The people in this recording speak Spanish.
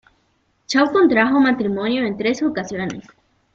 Shaw contrajo matrimonio en tres ocasiones.